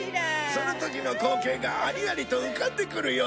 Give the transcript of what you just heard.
その時の光景がありありと浮かんでくるようで。